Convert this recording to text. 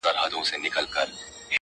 یوه بله کښتۍ ډکه له ماهیانو!!